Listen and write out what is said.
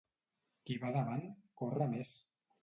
Qui va davant, corre més.